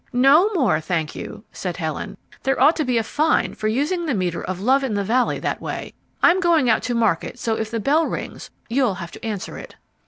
"No more, thank you," said Helen. "There ought to be a fine for using the meter of Love in the Valley that way. I'm going out to market so if the bell rings you'll have to answer it."